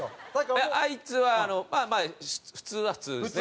あいつはまあまあ普通は普通ですね。